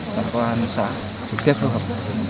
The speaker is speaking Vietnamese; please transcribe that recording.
và công an xã kết hợp